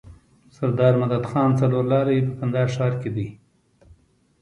سرداد مدخان څلور لاری په کندهار ښار کي دی.